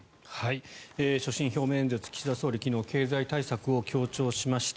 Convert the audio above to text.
所信表明演説岸田総理、昨日経済対策を強調しました。